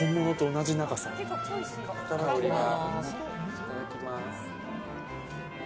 いただきます。